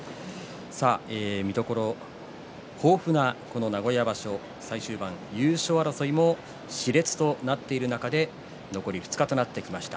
見どころ豊富な名古屋場所最終盤、優勝争いもしれつになっている中で残り２日となってきました。